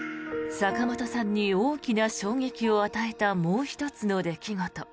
坂本さんに大きな衝撃を与えたもう１つの出来事。